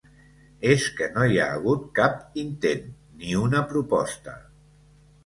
És que no hi ha hagut cap intent, ni una proposta.